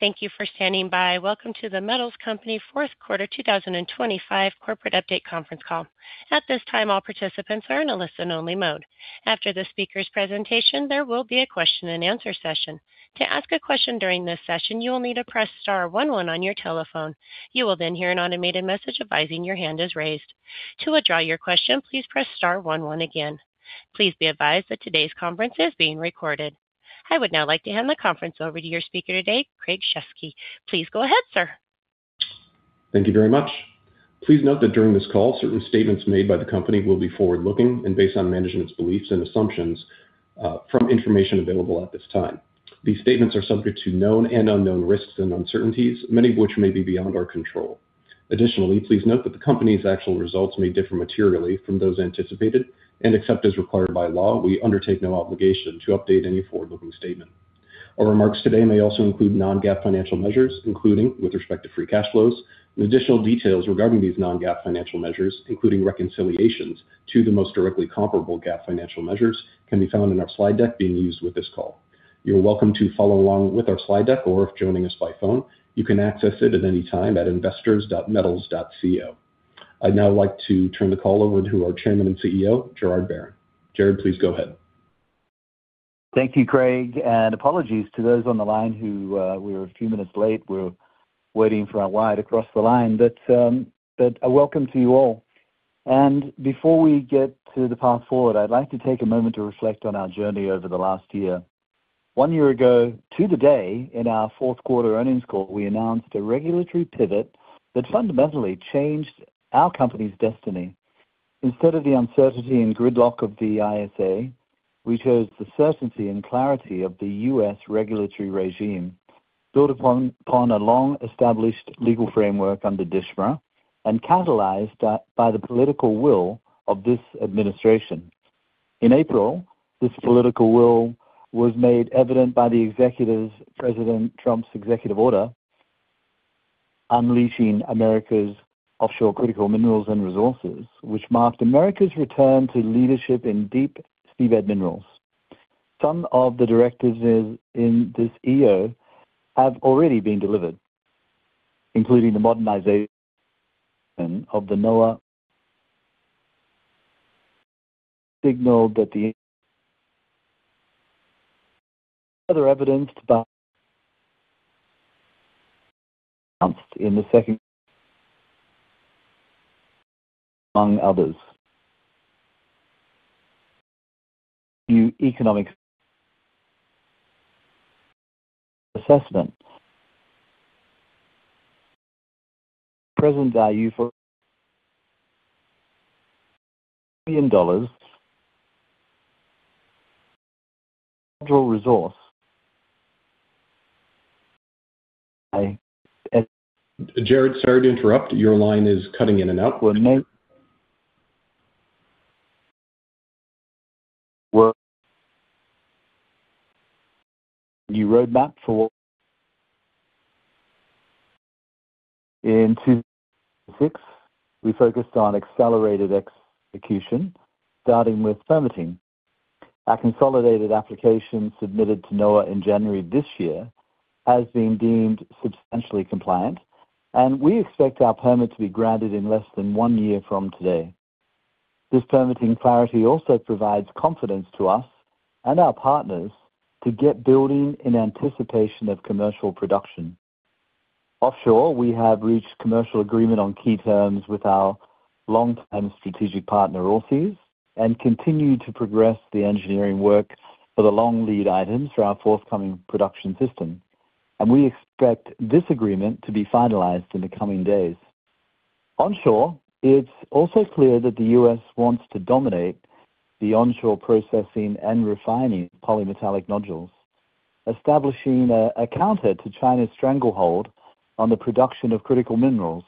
Thank you for standing by. Welcome to The Metals Company Fourth Quarter 2025 Corporate Update conference call. At this time, all participants are in a listen-only mode. After the speaker's presentation, there will be a question and answer session. To ask a question during this session, you will need to press star one one on your telephone. You will then hear an automated message advising your hand is raised. To withdraw your question, please press star one one again. Please be advised that today's conference is being recorded. I would now like to hand the conference over to your speaker today, Craig Shesky. Please go ahead, sir. Thank you very much. Please note that during this call, certain statements made by the company will be forward-looking and based on management's beliefs and assumptions from information available at this time. These statements are subject to known and unknown risks and uncertainties, many of which may be beyond our control. Additionally, please note that the company's actual results may differ materially from those anticipated and except as required by law, we undertake no obligation to update any forward-looking statement. Our remarks today may also include non-GAAP financial measures, including with respect to Free Cash Flows. Additional details regarding these non-GAAP financial measures, including reconciliations to the most directly comparable GAAP financial measures, can be found in our slide deck being used with this call. You're welcome to follow along with our slide deck or if joining us by phone, you can access it at any time at investors.metals.co. I'd now like to turn the call over to our Chairman and CEO, Gerard Barron. Gerard, please go ahead. Thank you, Craig, and apologies to those on the line who we're a few minutes late. We're waiting for our wire to cross the line. But a welcome to you all. Before we get to the path forward, I'd like to take a moment to reflect on our journey over the last year. One year ago, to the day, in our fourth quarter earnings call, we announced a regulatory pivot that fundamentally changed our company's destiny. Instead of the uncertainty and gridlock of the ISA, we chose the certainty and clarity of the U.S. regulatory regime built upon a long-established legal framework under DSHMRA and catalyzed by the political will of this administration. In April, this political will was made evident by President Trump's Executive Order Unleashing America's Offshore Critical Minerals and Resources, which marked America's return to leadership in deep seabed minerals. Some of the directives in this EO have already been delivered, including the modernization of the NOAA. Gerard, sorry to interrupt. Your line is cutting in and out. New roadmap for 2026. In 2026, we focused on accelerated execution, starting with permitting. Our consolidated application submitted to NOAA in January this year has been deemed substantially compliant, and we expect our permit to be granted in less than one year from today. This permitting clarity also provides confidence to us and our partners to get building in anticipation of commercial production. Offshore, we have reached commercial agreement on key terms with our long-term strategic partner, Allseas, and continue to progress the engineering work for the long lead items for our forthcoming production system. We expect this agreement to be finalized in the coming days. Onshore, it's also clear that the U.S. wants to dominate the onshore processing and refining of polymetallic nodules, establishing a counter to China's stranglehold on the production of critical minerals.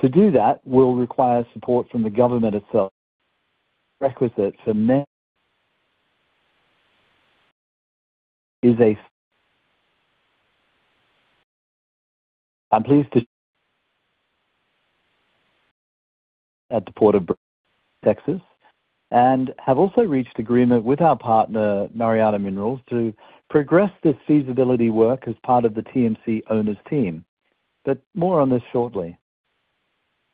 To do that will require support from the government itself. Securing the requisite permitting is a key enabler. I'm pleased to have secured a site at the Port of Brownsville, Texas and have also reached agreement with our partner, Mariana Minerals, to progress this feasibility work as part of the TMC owners' team. More on this shortly.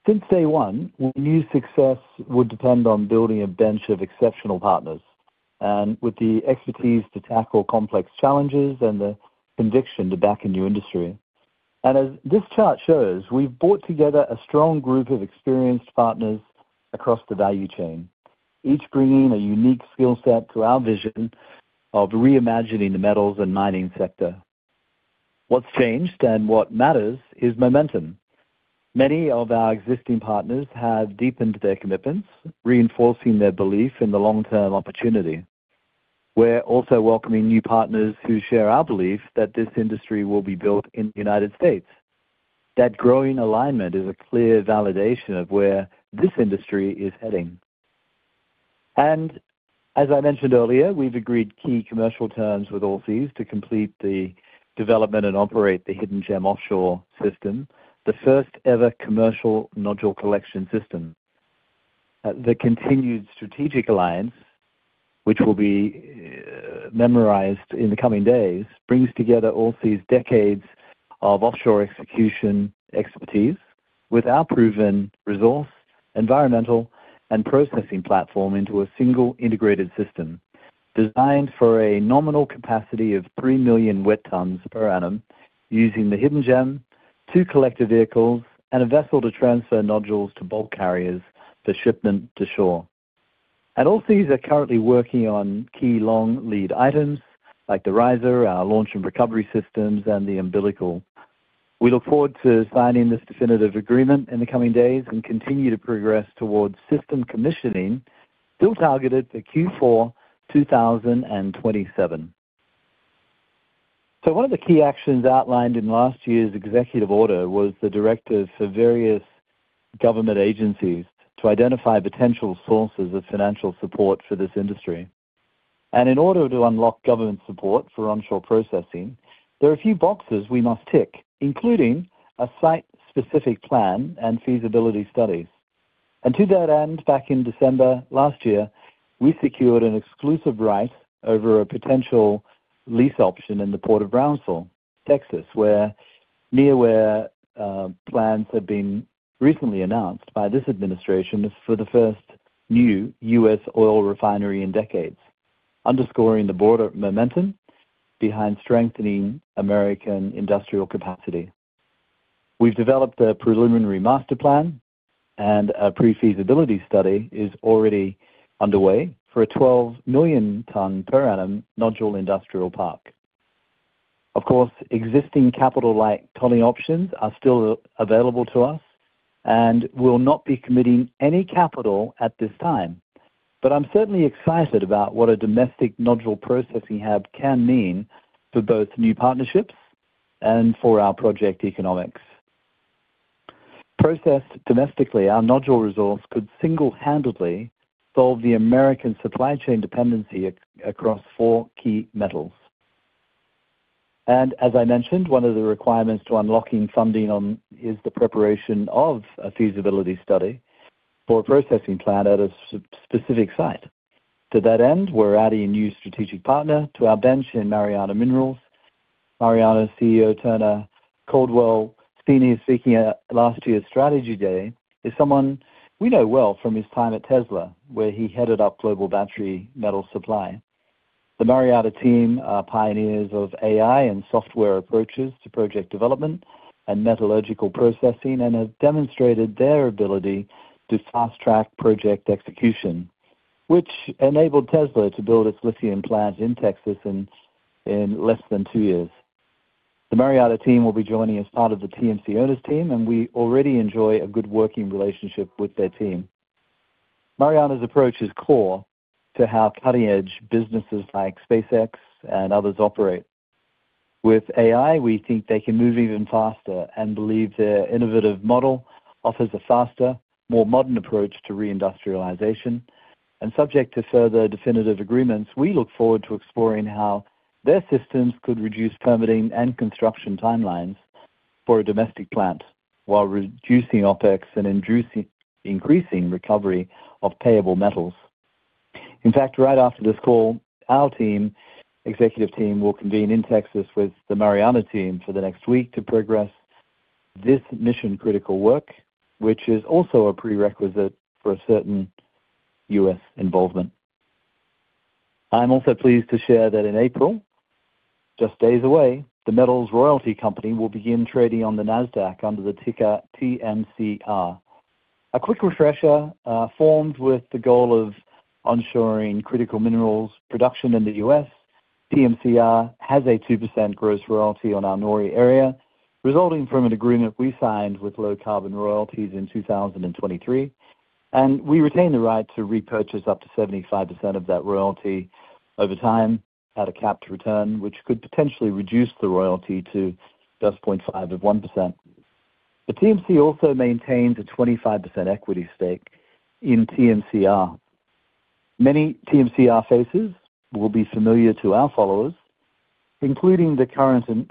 Since day one, we knew success would depend on building a bench of exceptional partners with the expertise to tackle complex challenges and the conviction to back a new industry. As this chart shows, we've brought together a strong group of experienced partners across the value chain, each bringing a unique skill set to our vision of reimagining the metals and mining sector. What's changed and what matters is momentum. Many of our existing partners have deepened their commitments, reinforcing their belief in the long-term opportunity. We're also welcoming new partners who share our belief that this industry will be built in the United States. That growing alignment is a clear validation of where this industry is heading. As I mentioned earlier, we've agreed key commercial terms with Allseas to complete the development and operate the Hidden Gem offshore system, the first ever commercial nodule collection system. The continued strategic alliance, which will be memorialized in the coming days, brings together all these decades of offshore execution expertise with our proven resource, environmental and processing platform into a single integrated system designed for a nominal capacity of 3 Mtpa using the Hidden Gem, two collector vehicles and a vessel to transfer nodules to bulk carriers for shipment to shore. Allseas are currently working on key long lead items like the riser, our launch and recovery systems, and the umbilical. We look forward to signing this definitive agreement in the coming days and continue to progress towards system commissioning, still targeted for Q4 2027. One of the key actions outlined in last year's executive order was the directives for various government agencies to identify potential sources of financial support for this industry. In order to unlock government support for onshore processing, there are a few boxes we must tick, including a site-specific plan and feasibility studies. To that end, back in December last year, we secured an exclusive right over a potential lease option in the Port of Brownsville, Texas, near where plans have been recently announced by this administration for the first new U.S. oil refinery in decades, underscoring the border momentum behind strengthening American industrial capacity. We've developed a preliminary master plan and a pre-feasibility study is already underway for a 12 Mtpa nodule industrial park. Of course, existing capital like tolling options are still available to us, and we'll not be committing any capital at this time. I'm certainly excited about what a domestic nodule processing hub can mean for both new partnerships and for our project economics. Processed domestically, our nodule resource could single-handedly solve the American supply chain dependency across four key metals. As I mentioned, one of the requirements to unlocking funding, one is the preparation of a feasibility study for a processing plant at a specific site. To that end, we're adding a new strategic partner to our bench in Mariana Minerals. Mariana CEO Turner Caldwell Steene speaking at last year's Strategy Day is someone we know well from his time at Tesla, where he headed up global battery metal supply. The Mariana team are pioneers of AI and software approaches to project development and metallurgical processing and have demonstrated their ability to fast-track project execution, which enabled Tesla to build its lithium plant in Texas in less than two years. The Mariana team will be joining as part of the TMC owners team, and we already enjoy a good working relationship with their team. Mariana's approach is core to how cutting-edge businesses like SpaceX and others operate. With AI, we think they can move even faster and believe their innovative model offers a faster, more modern approach to reindustrialization. Subject to further definitive agreements, we look forward to exploring how their systems could reduce permitting and construction timelines for a domestic plant while reducing OpEx and increasing recovery of payable metals. In fact, right after this call, our team, executive team will convene in Texas with the Mariana team for the next week to progress this mission-critical work, which is also a prerequisite for a certain U.S. involvement. I'm also pleased to share that in April, just days away, The Metals Royalty Company will begin trading on the Nasdaq under the ticker TMCR. A quick refresher, formed with the goal of onshoring critical minerals production in the U.S. TMCR has a 2% gross royalty on our NORI area, resulting from an agreement we signed with Low Carbon Royalties in 2023. We retain the right to repurchase up to 75% of that royalty over time at a capped return, which could potentially reduce the royalty to just 0.5%. TMC also maintains a 25% equity stake in TMCR. Many TMCR faces will be familiar to our followers, including the current and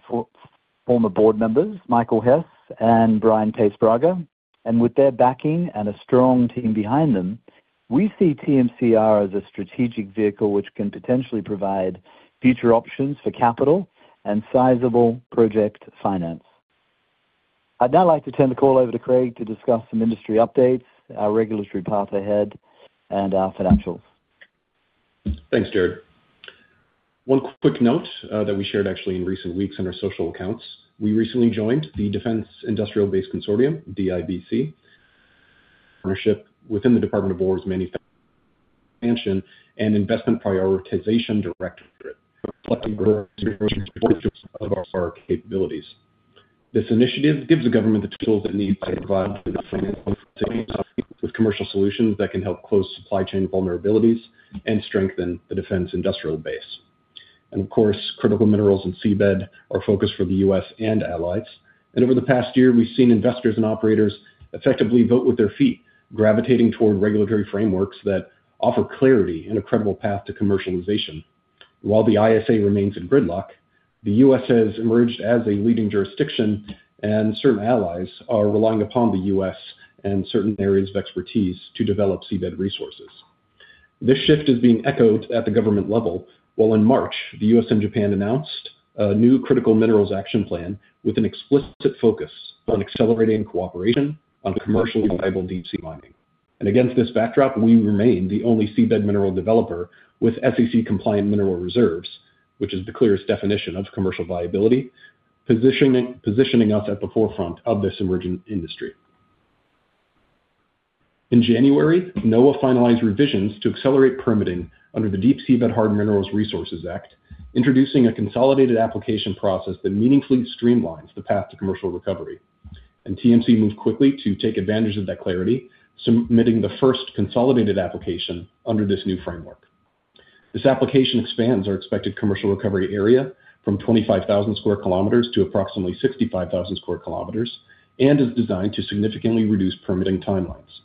former board members Michael Hess and Brian Paes-Braga. With their backing and a strong team behind them, we see TMCR as a strategic vehicle which can potentially provide future options for capital and sizable project finance. I'd now like to turn the call over to Craig to discuss some industry updates, our regulatory path ahead, and our financials. Thanks, Gerard. One quick note that we shared actually in recent weeks on our social accounts. We recently joined the Defense Industrial Base Consortium, DIBC, a partnership within the Department of Defense's manufacturing expansion and investment prioritization directorate, reflecting growth of our capabilities. This initiative gives the government the tools it needs to provide with commercial solutions that can help close supply chain vulnerabilities and strengthen the defense industrial base. Of course, critical minerals and seabed are focused for the U.S. and allies. Over the past year, we've seen investors and operators effectively vote with their feet, gravitating toward regulatory frameworks that offer clarity and a credible path to commercialization. While the ISA remains in gridlock, the U.S. has emerged as a leading jurisdiction, and certain allies are relying upon the U.S. and certain areas of expertise to develop seabed resources. This shift is being echoed at the government level. While in March, the U.S. and Japan announced a new critical minerals action plan with an explicit focus on accelerating cooperation on commercially viable deep sea mining. Against this backdrop, we remain the only seabed mineral developer with SEC-compliant mineral reserves, which is the clearest definition of commercial viability, positioning us at the forefront of this emerging industry. In January, NOAA finalized revisions to accelerate permitting under the Deep Seabed Hard Mineral Resources Act, introducing a consolidated application process that meaningfully streamlines the path to commercial recovery. TMC moved quickly to take advantage of that clarity, submitting the first consolidated application under this new framework. This application expands our expected commercial recovery area from 25,000 sq km to approximately 65,000 sq km and is designed to significantly reduce permitting timelines.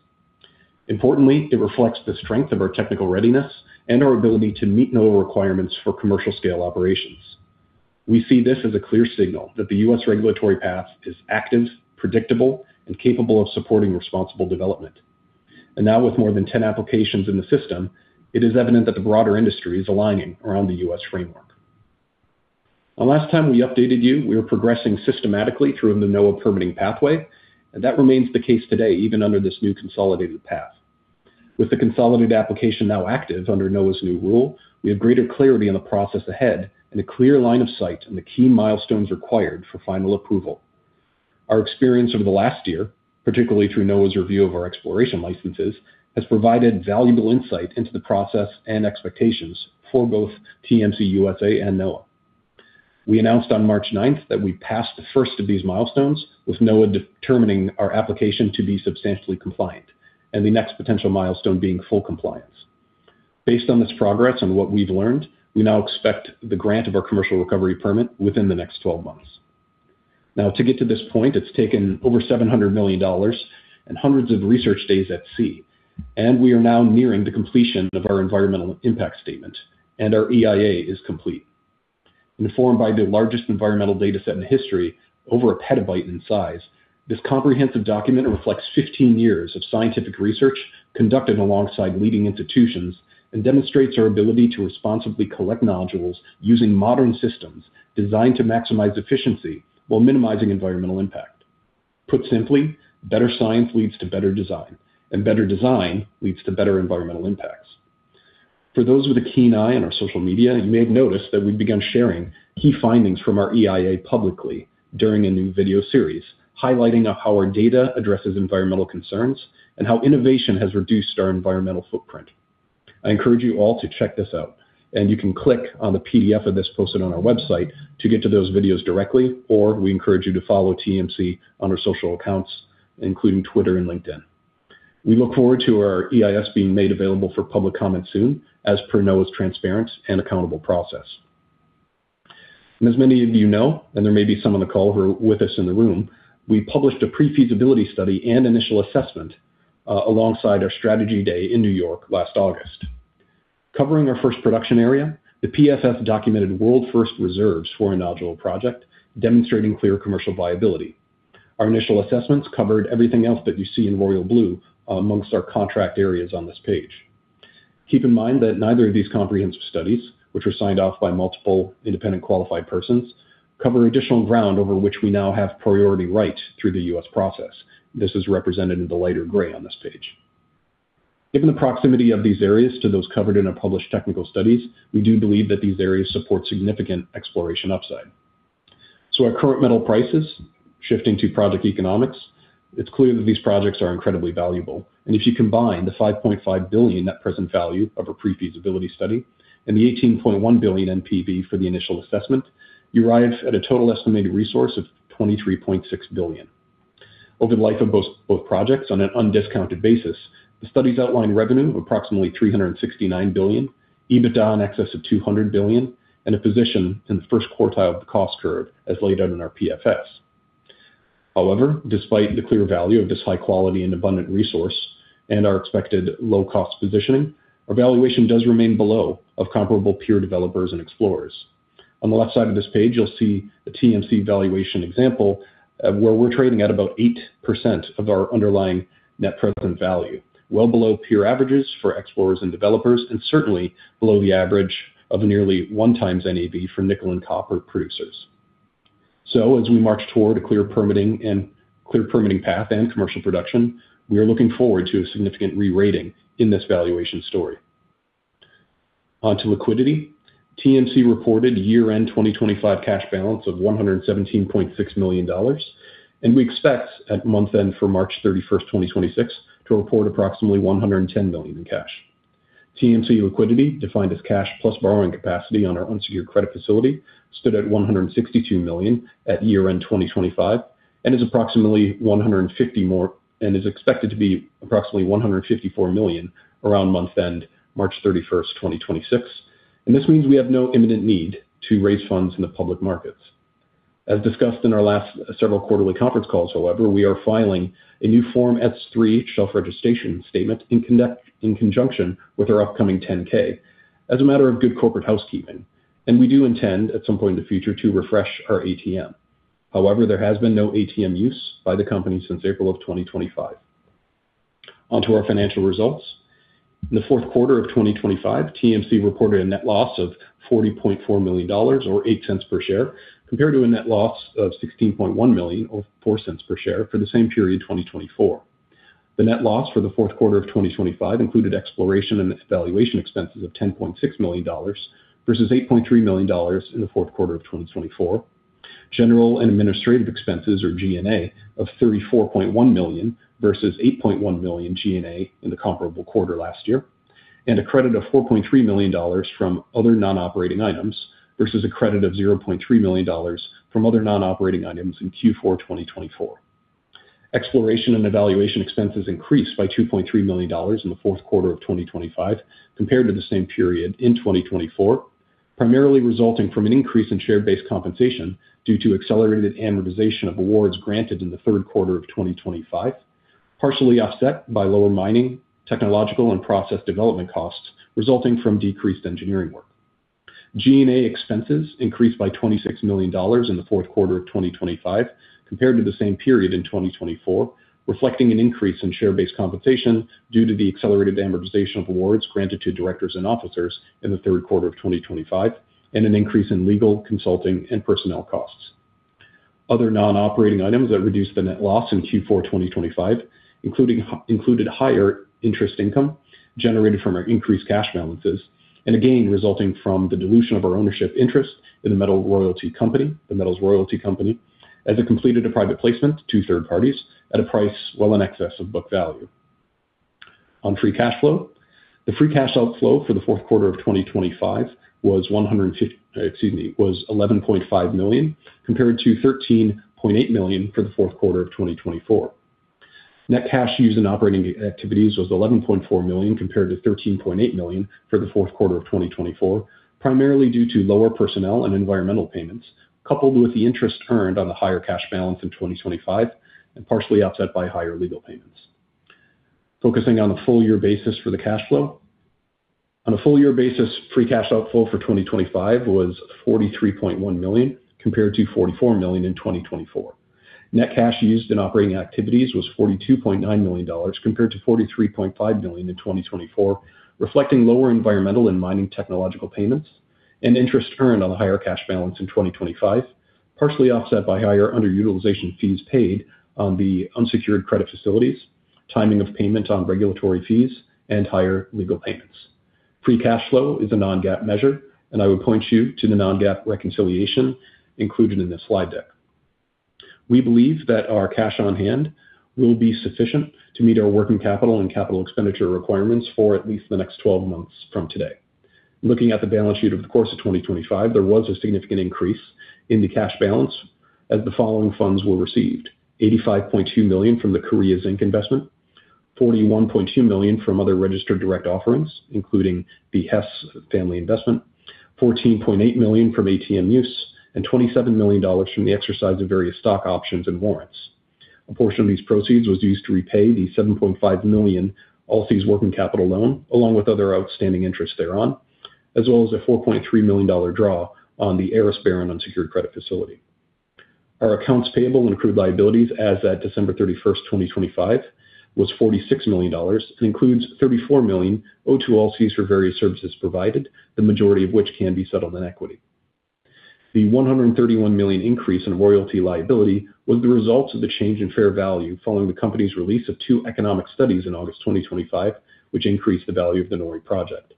Importantly, it reflects the strength of our technical readiness and our ability to meet NOAA requirements for commercial scale operations. We see this as a clear signal that the U.S. regulatory path is active, predictable, and capable of supporting responsible development. Now with more than 10 applications in the system, it is evident that the broader industry is aligning around the U.S. framework. The last time we updated you, we were progressing systematically through the NOAA permitting pathway, and that remains the case today, even under this new consolidated path. With the consolidated application now active under NOAA's new rule, we have greater clarity on the process ahead and a clear line of sight on the key milestones required for final approval. Our experience over the last year, particularly through NOAA's review of our exploration licenses, has provided valuable insight into the process and expectations for both TMC USA and NOAA. We announced on March 9 that we passed the first of these milestones with NOAA determining our application to be substantially compliant, and the next potential milestone being full compliance. Based on this progress and what we've learned, we now expect the grant of our commercial recovery permit within the next 12 months. Now, to get to this point, it's taken over $700 million and hundreds of research days at sea. We are now nearing the completion of our environmental impact statement, and our EIA is complete. Informed by the largest environmental data set in history, over a petabyte in size, this comprehensive document reflects 15 years of scientific research conducted alongside leading institutions and demonstrates our ability to responsibly collect nodules using modern systems designed to maximize efficiency while minimizing environmental impact. Put simply, better science leads to better design, and better design leads to better environmental impacts. For those with a keen eye on our social media, you may have noticed that we've begun sharing key findings from our EIA publicly during a new video series, highlighting how our data addresses environmental concerns and how innovation has reduced our environmental footprint. I encourage you all to check this out, and you can click on the PDF of this posted on our website to get to those videos directly, or we encourage you to follow TMC on our social accounts, including Twitter and LinkedIn. We look forward to our EIS being made available for public comment soon as per NOAA's transparent and accountable process. As many of you know, and there may be some on the call who are with us in the room, we published a pre-feasibility study and initial assessment alongside our strategy day in New York last August. Covering our first production area, the PFS documented world-first reserves for a nodule project demonstrating clear commercial viability. Our initial assessments covered everything else that you see in royal blue among our contract areas on this page. Keep in mind that neither of these comprehensive studies, which were signed off by multiple independent qualified persons, cover additional ground over which we now have priority right through the U.S. process. This is represented in the lighter gray on this page. Given the proximity of these areas to those covered in our published technical studies, we do believe that these areas support significant exploration upside. Our current metal prices shifting to project economics, it's clear that these projects are incredibly valuable. If you combine the $5.5 billion net present value of a pre-feasibility study and the $18.1 billion NPV for the initial assessment, you arrive at a total estimated resource of $23.6 billion. Over the life of both projects on an undiscounted basis, the studies outline revenue of approximately $369 billion, EBITDA in excess of $200 billion, and a position in the first quartile of the cost curve as laid out in our PFS. However, despite the clear value of this high quality and abundant resource and our expected low-cost positioning, our valuation does remain below that of comparable peer developers and explorers. On the left side of this page, you'll see a TMC valuation example, where we're trading at about 8% of our underlying net present value, well below peer averages for explorers and developers, and certainly below the average of nearly 1x NAV for nickel and copper producers. As we march toward a clear permitting path and commercial production, we are looking forward to a significant re-rating in this valuation story. On to liquidity. TMC reported year-end 2025 cash balance of $117.6 million, and we expect at month-end for March 31, 2026 to report approximately $110 million in cash. TMC liquidity defined as cash + borrowing capacity on our unsecured credit facility stood at $162 million at year-end 2025 and is expected to be approximately $154 million around month-end March 31, 2026. This means we have no imminent need to raise funds in the public markets. As discussed in our last several quarterly conference calls, however, we are filing a new Form S-3 shelf registration statement in conjunction with our upcoming 10-K as a matter of good corporate housekeeping, and we do intend at some point in the future to refresh our ATM. However, there has been no ATM use by the company since April 2025. Onto our financial results. In the fourth quarter of 2025, TMC reported a net loss of $40.4 million or $0.08 per share, compared to a net loss of $16.1 million or $0.04 per share for the same period in 2024. The net loss for the fourth quarter of 2025 included exploration and evaluation expenses of $10.6 million versus $8.3 million in the fourth quarter of 2024, general and administrative expenses, or G&A, of $34.1 million versus $8.1 million G&A in the comparable quarter last year, and a credit of $4.3 million from other non-operating items versus a credit of $0.3 million from other non-operating items in Q4 2024. Exploration and evaluation expenses increased by $2.3 million in the fourth quarter of 2025 compared to the same period in 2024, primarily resulting from an increase in share-based compensation due to accelerated amortization of awards granted in the third quarter of 2025, partially offset by lower mining, technological and process development costs resulting from decreased engineering work. G&A expenses increased by $26 million in the fourth quarter of 2025 compared to the same period in 2024, reflecting an increase in share-based compensation due to the accelerated amortization of awards granted to directors and officers in the third quarter of 2025 and an increase in legal, consulting, and personnel costs. Other non-operating items that reduced the net loss in Q4 2025 included higher interest income generated from our increased cash balances and a gain resulting from the dilution of our ownership interest in The Metals Royalty Company as it completed a private placement to third parties at a price well in excess of book value. On Free Cash Flow. The free cash outflow for the fourth quarter of 2025 was $11.5 million, compared to $13.8 million for the fourth quarter of 2024. Net cash used in operating activities was $11.4 million compared to $13.8 million for the fourth quarter of 2024, primarily due to lower personnel and environmental payments, coupled with the interest earned on the higher cash balance in 2025 and partially offset by higher legal payments. Focusing on a full year basis for the cash flow. On a full year basis, free cash outflow for 2025 was $43.1 million, compared to $44 million in 2024. Net cash used in operating activities was $42.9 million compared to $43.5 million in 2024, reflecting lower environmental and mining technological payments and interest earned on the higher cash balance in 2025, partially offset by higher underutilization fees paid on the unsecured credit facilities, timing of payment on regulatory fees, and higher legal payments. Free Cash Flow is a non-GAAP measure, and I would point you to the non-GAAP reconciliation included in this slide deck. We believe that our cash on hand will be sufficient to meet our working capital and capital expenditure requirements for at least the next 12 months from today. Looking at the balance sheet over the course of 2025, there was a significant increase in the cash balance as the following funds were received: $85.2 million from the Korea Zinc investment, $41.2 million from other registered direct offerings, including the Hess family investment, $14.8 million from ATM use, and $27 million from the exercise of various stock options and warrants. A portion of these proceeds was used to repay the $7.5 million Allseas working capital loan, along with other outstanding interest thereon, as well as a $4.3 million draw on the Ares unsecured credit facility. Our accounts payable and accrued liabilities as at December 31, 2025 was $46 million and includes $34 million owed to Allseas for various services provided, the majority of which can be settled in equity. The $131 million increase in royalty liability was the result of the change in fair value following the company's release of two economic studies in August 2025, which increased the value of the NORI project.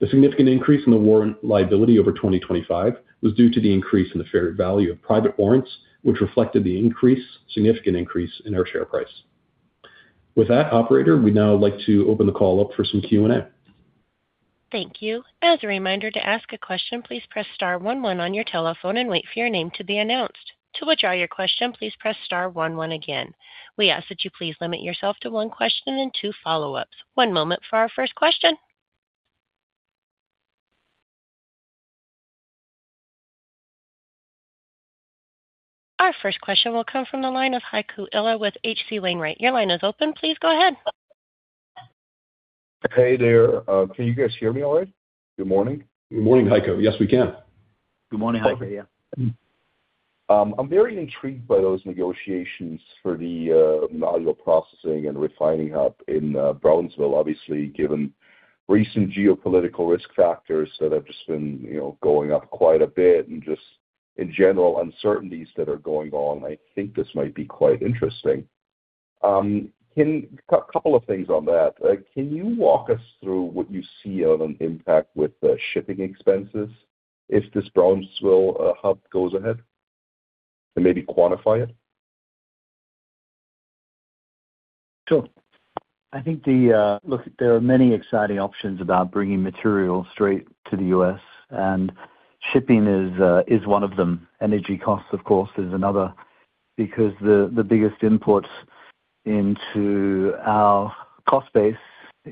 The significant increase in the warrant liability over 2025 was due to the increase in the fair value of private warrants, which reflected the significant increase in our share price. With that, operator, we'd now like to open the call up for some Q&A. Thank you. As a reminder to ask a question, please press star one one on your telephone and wait for your name to be announced. To withdraw your question, please press star one one again. We ask that you please limit yourself to one question and two follow-ups. One moment for our first question. Our first question will come from the line of Heiko Ihle with H.C. Wainwright & Co. Your line is open. Please go ahead. Hey there. Can you guys hear me all right? Good morning. Good morning, Heiko. Yes, we can. Good morning, Heiko. Yeah. I'm very intrigued by those negotiations for the nodule processing and refining hub in Brownsville. Obviously, given recent geopolitical risk factors that have just been, you know, going up quite a bit and just in general uncertainties that are going on, I think this might be quite interesting. Couple of things on that. Can you walk us through what you see on an impact with shipping expenses if this Brownsville hub goes ahead? And maybe quantify it. Sure. Look, there are many exciting options about bringing material straight to the U.S., and shipping is one of them. Energy costs, of course, is another, because the biggest input into our cost base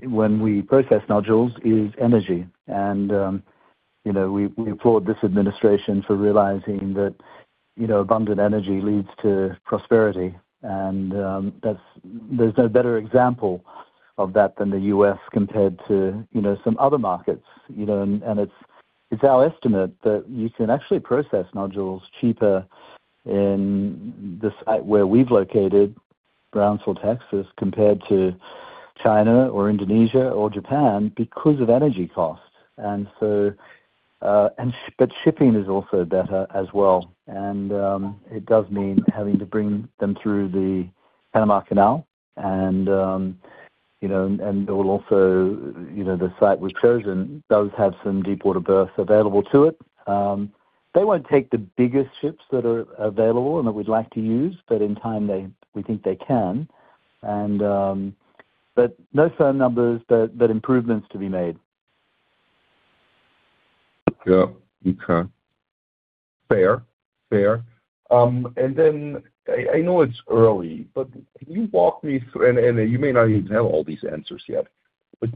when we process nodules is energy. You know, we applaud this administration for realizing that, you know, abundant energy leads to prosperity. There's no better example of that than the U.S. compared to, you know, some other markets, you know. It's our estimate that you can actually process nodules cheaper in the south where we've located, Brownsville, Texas, compared to China or Indonesia or Japan because of energy costs. Shipping is also better as well. It does mean having to bring them through the Panama Canal, and you know, it will also. You know, the site we've chosen does have some deep water berths available to it. They won't take the biggest ships that are available and that we'd like to use, but in time we think they can. But no firm numbers, but improvements to be made. Yeah. Okay. Fair. I know it's early, but you may not even have all these answers yet.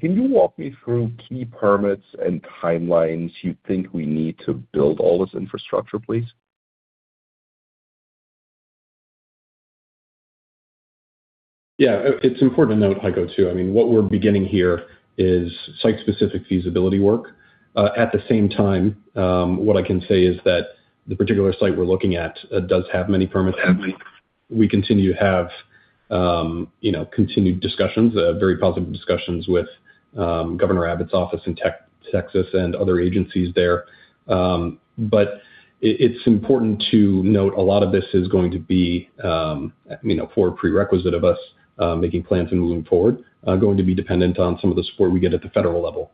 Can you walk me through key permits and timelines you think we need to build all this infrastructure, please? It's important to note, Heiko, too, I mean, what we're beginning here is site-specific feasibility work. At the same time, what I can say is that the particular site we're looking at does have many permits. Okay. We continue to have, you know, continued discussions, very positive discussions with Greg Abbott's office in Texas and other agencies there. But it's important to note a lot of this is going to be, you know, for a prerequisite of us making plans and moving forward, going to be dependent on some of the support we get at the federal level.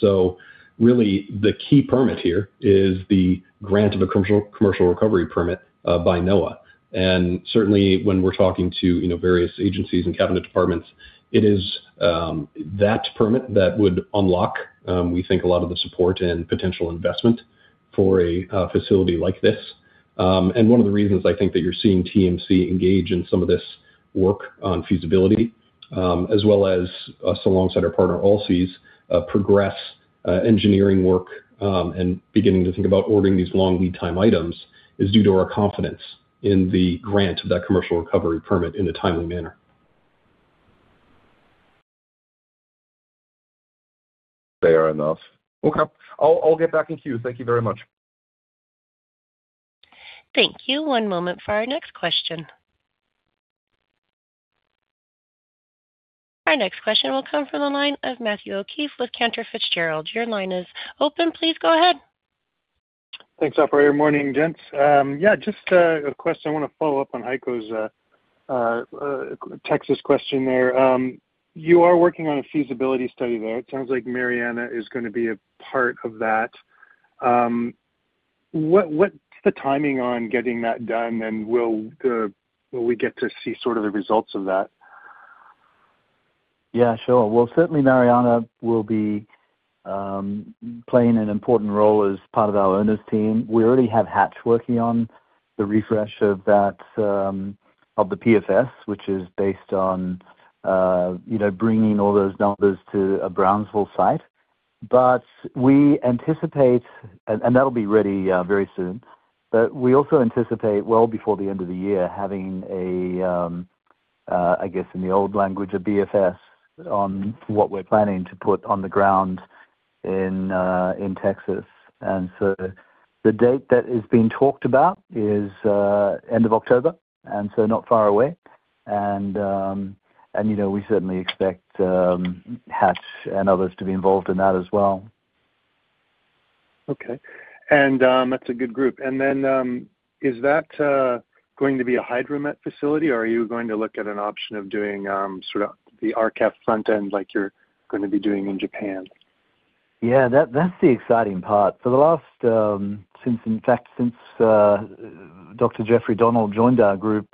So really the key permit here is the grant of a commercial recovery permit by NOAA. Certainly when we're talking to, you know, various agencies and cabinet departments, it is that permit that would unlock, we think a lot of the support and potential investment for a facility like this. One of the reasons I think that you're seeing TMC engage in some of this work on feasibility, as well as us alongside our partner, Allseas, progressing engineering work, and beginning to think about ordering these long lead time items is due to our confidence in the grant of that commercial recovery permit in a timely manner. Fair enough. Okay. I'll get back in queue. Thank you very much. Thank you. One moment for our next question. Our next question will come from the line of Matthew O'Keefe with Cantor Fitzgerald. Your line is open. Please go ahead. Thanks, operator. Morning, gents. Yeah, just a question I wanna follow up on Heiko's Texas question there. You are working on a feasibility study there. It sounds like Mariana is gonna be a part of that. What's the timing on getting that done? And will we get to see sort of the results of that? Yeah. Sure. Well, certainly Mariana will be playing an important role as part of our owners team. We already have Hatch working on the refresh of that of the PFS, which is based on, you know, bringing all those numbers to a Brownsville site. We anticipate that'll be ready very soon. We also anticipate well before the end of the year having a, I guess in the old language, a BFS on what we're planning to put on the ground in Texas. The date that is being talked about is end of October, and so not far away. You know, we certainly expect Hatch and others to be involved in that as well. Okay. That's a good group. Is that going to be a hydromet facility or are you going to look at an option of doing sort of the RKEF front end like you're gonna be doing in Japan? That's the exciting part. For the last since in fact Dr. Jeffrey Donald joined our group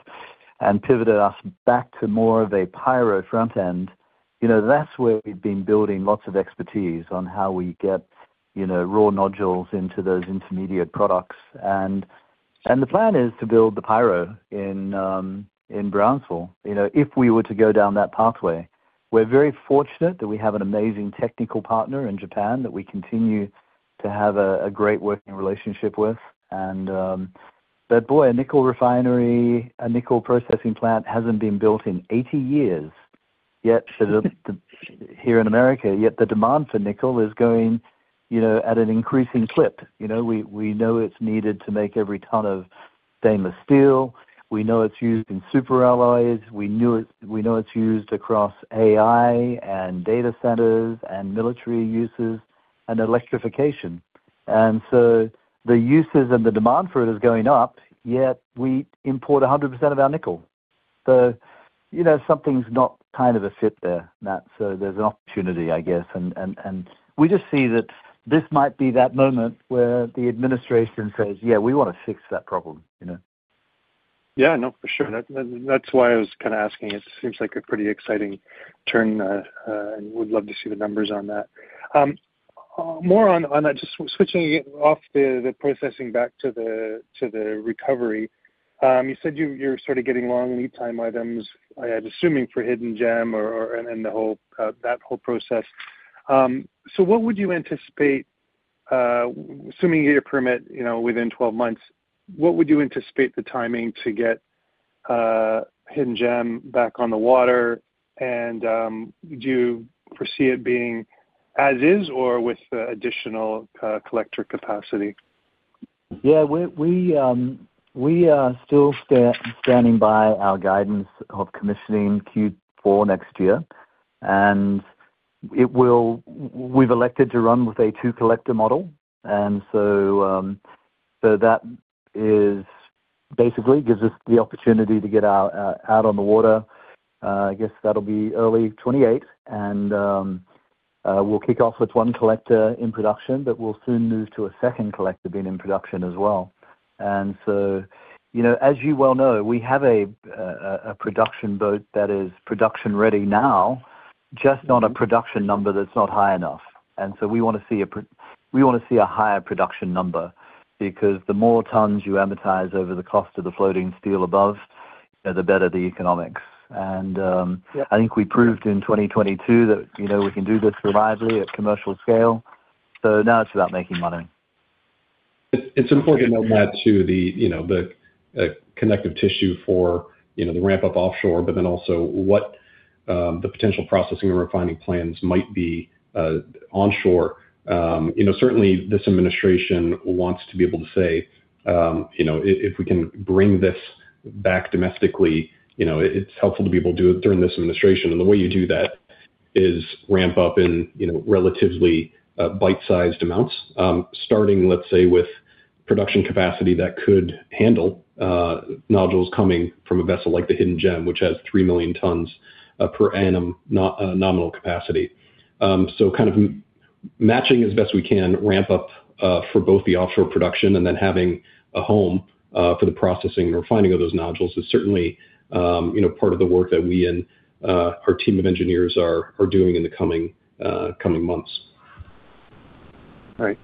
and pivoted us back to more of a pyro front end, you know, that's where we've been building lots of expertise on how we get, you know, raw nodules into those intermediate products. The plan is to build the pyro in Brownsville, you know, if we were to go down that pathway. We're very fortunate that we have an amazing technical partner in Japan that we continue to have a great working relationship with. But boy, a nickel refinery, a nickel processing plant hasn't been built in 80 years yet here in America, yet the demand for nickel is going, you know, at an increasing clip. You know, we know it's needed to make every ton of stainless steel. We know it's used in super alloys. We know it's used across AI and data centers and military uses and electrification. The uses and the demand for it is going up, yet we import 100% of our nickel. You know, something's not kind of a fit there, Matt. There's an opportunity, I guess. We just see that this might be that moment where the administration says, "Yeah, we wanna fix that problem," you know. Yeah. No, for sure. That's why I was kinda asking. It seems like a pretty exciting turn, and would love to see the numbers on that. More on that. Just switching off the processing back to the recovery. You said you're sort of getting long lead time items. I'm assuming for Hidden Gem or and the whole that whole process. So what would you anticipate, assuming you get your permit, you know, within 12 months, what would you anticipate the timing to get Hidden Gem back on the water? And do you foresee it being as is or with additional collector capacity? Yeah. We are still standing by our guidance of commissioning Q4 next year. It will. We've elected to run with a two collector model. So that basically gives us the opportunity to get ours out on the water. I guess that'll be early 2028. We'll kick off with one collector in production, but we'll soon move to a second collector being in production as well. You know, as you well know, we have a production boat that is production ready now, just on a production number that's not high enough. We wanna see a higher production number because the more tons you amortize over the cost of the floating steel above, the better the economics. Yeah I think we proved in 2022 that, you know, we can do this reliably at commercial scale. Now it's about making money. It's important to note that too, you know, the connective tissue for, you know, the ramp up offshore, but then also what the potential processing and refining plans might be onshore. You know, certainly this administration wants to be able to say, you know, if we can bring this back domestically, you know, it's helpful to be able to do it during this administration. The way you do that is ramp up in, you know, relatively bite-sized amounts, starting, let's say, with production capacity that could handle nodules coming from a vessel like the Hidden Gem, which has 3 Mtpa nominal capacity. Kind of matching as best we can ramp up for both the offshore production and then having a home for the processing and refining of those nodules is certainly, you know, part of the work that we and our team of engineers are doing in the coming months. Right.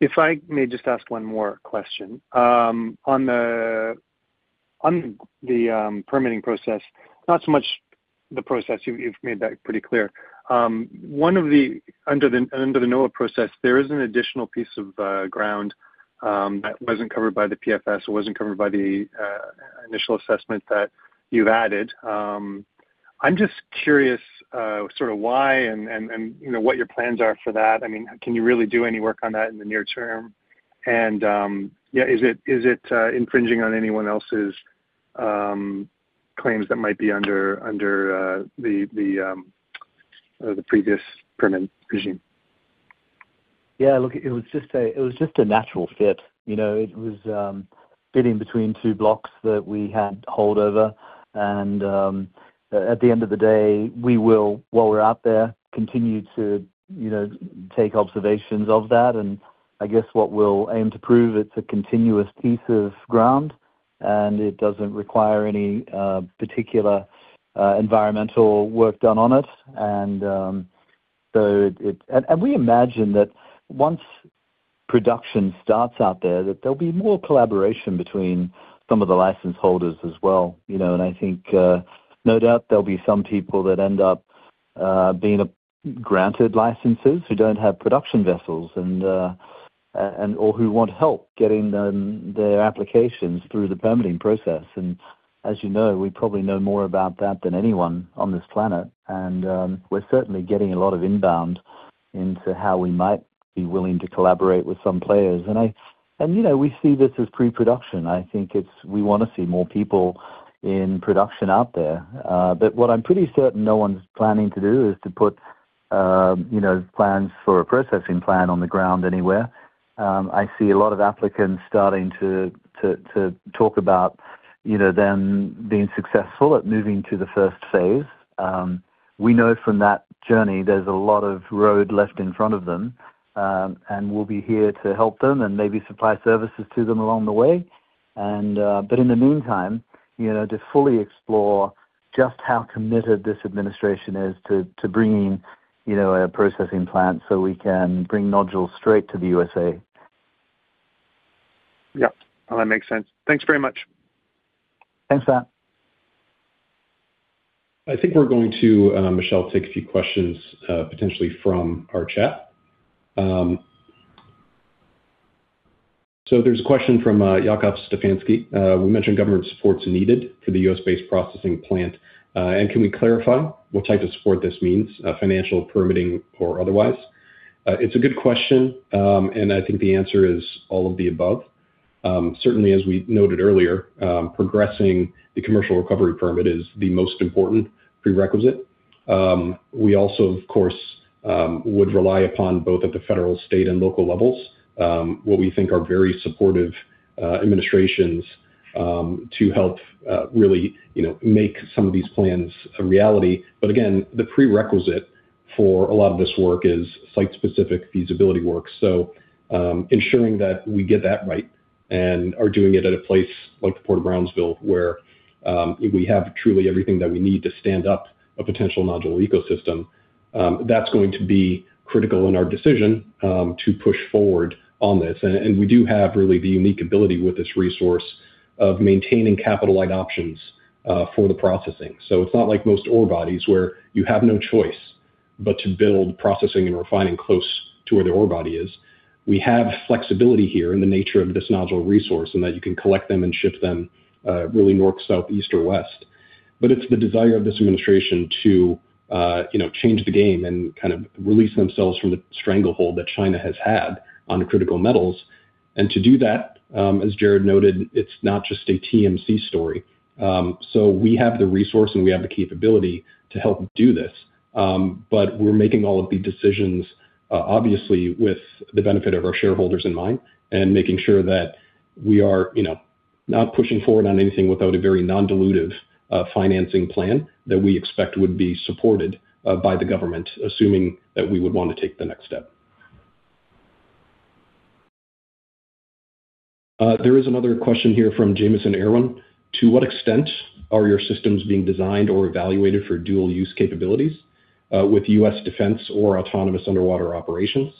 If I may just ask one more question. On the permitting process, not so much the process, you've made that pretty clear. Under the NOAA process, there is an additional piece of ground that wasn't covered by the PFS, it wasn't covered by the initial assessment that you've added. I'm just curious sort of why and you know what your plans are for that. I mean, can you really do any work on that in the near term? Yeah, is it infringing on anyone else's claims that might be under the previous permanent regime? Yeah. Look, it was just a natural fit, you know? It was fitting between two blocks that we had hold over. At the end of the day, we will, while we're out there, continue to, you know, take observations of that. I guess what we'll aim to prove, it's a continuous piece of ground, and it doesn't require any particular environmental work done on it. We imagine that once production starts out there that there'll be more collaboration between some of the license holders as well, you know. I think no doubt there'll be some people that end up being granted licenses who don't have production vessels and/or who want help getting their applications through the permitting process. As you know, we probably know more about that than anyone on this planet. We're certainly getting a lot of inbound interest in how we might be willing to collaborate with some players. You know, we see this as pre-production. I think it's. We wanna see more people in production out there. But what I'm pretty certain no one's planning to do is to put, you know, plans for a processing plant on the ground anywhere. I see a lot of applicants starting to talk about, you know, them being successful at moving to the first phase. We know from that journey there's a lot of road left in front of them. We'll be here to help them and maybe supply services to them along the way. In the meantime, you know, to fully explore just how committed this administration is to bringing, you know, a processing plant so we can bring nodules straight to the USA. Yeah. No, that makes sense. Thanks very much. Thanks, Matt. I think we're going to, Michelle, take a few questions, potentially from our chat. So there's a question from Jake Sekelsky. We mentioned government support is needed for the U.S.-based processing plant. Can we clarify what type of support this means, financial permitting or otherwise? It's a good question. I think the answer is all of the above. Certainly, as we noted earlier, progressing the commercial recovery permit is the most important prerequisite. We also, of course, would rely upon both at the federal, state, and local levels, what we think are very supportive administrations, to help really, you know, make some of these plans a reality. Again, the prerequisite for a lot of this work is site-specific feasibility work. Ensuring that we get that right and are doing it at a place like the Port of Brownsville, where we have truly everything that we need to stand up a potential nodule ecosystem. That's going to be critical in our decision to push forward on this. We do have really the unique ability with this resource of maintaining capital-light options for the processing. It's not like most ore bodies where you have no choice but to build processing and refining close to where the ore body is. We have flexibility here in the nature of this nodule resource, and that you can collect them and ship them really north, south, east, or west. It's the desire of this administration to change the game and kind of release themselves from the stranglehold that China has had on critical metals. To do that, as Gerard noted, it's not just a TMC story. So we have the resource, and we have the capability to help do this. But we're making all of the decisions, obviously with the benefit of our shareholders in mind and making sure that we are, you know, not pushing forward on anything without a very non-dilutive financing plan that we expect would be supported by the government, assuming that we would wanna take the next step. There is another question here from James Erwin. To what extent are your systems being designed or evaluated for dual use capabilities with U.S. defense or autonomous underwater operations?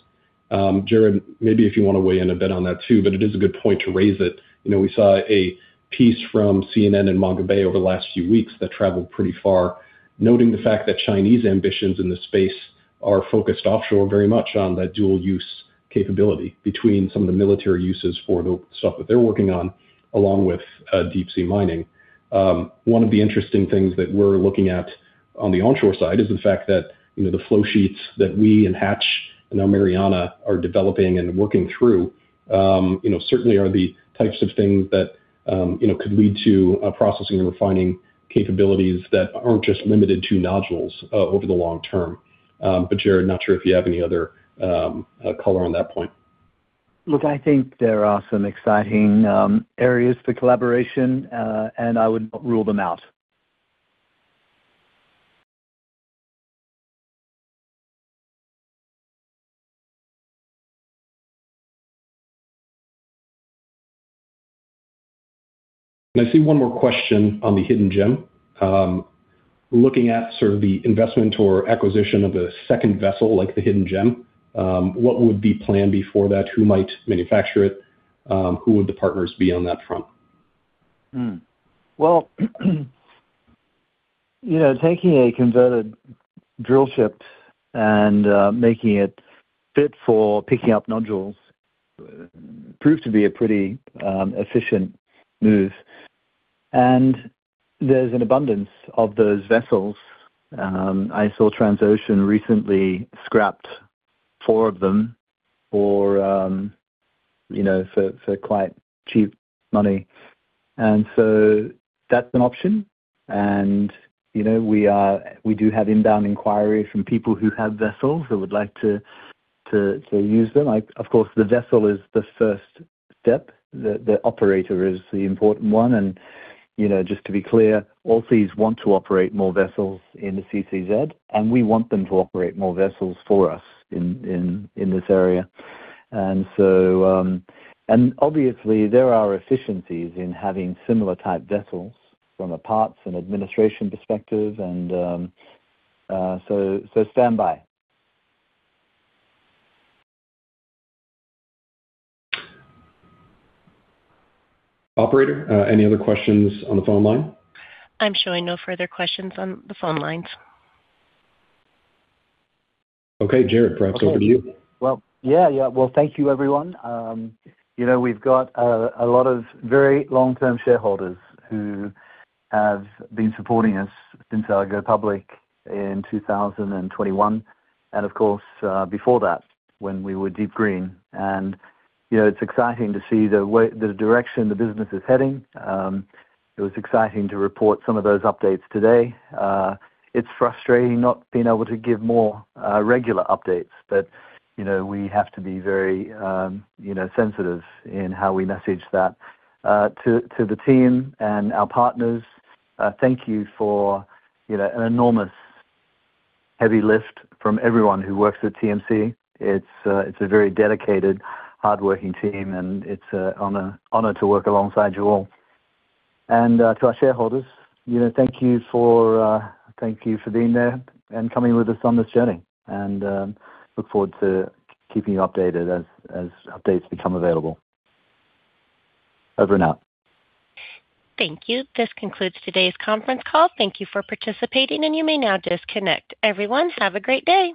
Gerard, maybe if you wanna weigh in a bit on that too, but it is a good point to raise it. You know, we saw a piece from CNN and Mongabay over the last few weeks that traveled pretty far, noting the fact that Chinese ambitions in this space are focused offshore very much on that dual use capability between some of the military uses for the stuff that they're working on, along with deep sea mining. One of the interesting things that we're looking at on the onshore side is the fact that, you know, the flow sheets that we and Hatch and now Mariana are developing and working through, you know, certainly are the types of things that, you know, could lead to processing and refining capabilities that aren't just limited to nodules over the long term. Gerard, not sure if you have any other color on that point? Look, I think there are some exciting areas for collaboration, and I would not rule them out. I see one more question on the Hidden Gem. Looking at sort of the investment or acquisition of a second vessel like the Hidden Gem, what would be planned before that? Who might manufacture it? Who would the partners be on that front? Well, you know, taking a converted drill ship and making it fit for picking up nodules proves to be a pretty efficient move. There's an abundance of those vessels. I saw Transocean recently scrapped four of them for, you know, for quite cheap money. That's an option. You know, we do have inbound inquiries from people who have vessels who would like to use them. Of course, the vessel is the first step. The operator is the important one. Just to be clear, Allseas want to operate more vessels in the CCZ, and we want them to operate more vessels for us in this area. Obviously there are efficiencies in having similar type vessels from a parts and administration perspective, and so stand by. Operator, any other questions on the phone line? I'm showing no further questions on the phone lines. Okay. Gerard, perhaps over to you. Well, yeah. Well, thank you, everyone. You know, we've got a lot of very long-term shareholders who have been supporting us since I went public in 2021, and of course, before that when we were DeepGreen. You know, it's exciting to see the direction the business is heading. It was exciting to report some of those updates today. It's frustrating not being able to give more regular updates, but, you know, we have to be very, you know, sensitive in how we message that. To the team and our partners, thank you for, you know, an enormous heavy lift from everyone who works at TMC. It's a very dedicated, hardworking team, and it's an honor to work alongside you all. To our shareholders, you know, thank you for being there and coming with us on this journey. Look forward to keeping you updated as updates become available. Over and out. Thank you. This concludes today's conference call. Thank you for participating, and you may now disconnect. Everyone, have a great day.